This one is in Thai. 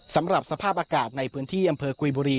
สำหรับสภาพอากาศในพื้นที่อำเภอกุยบุรี